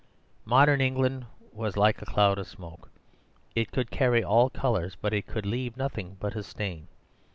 "Modern England was like a cloud of smoke; it could carry all colours, but it could leave nothing but a stain.